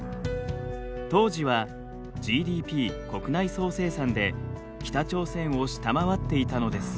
当時はＧＤＰ国内総生産で北朝鮮を下回っていたのです。